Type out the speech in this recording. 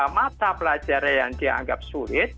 mata pelajaran yang dianggap sulit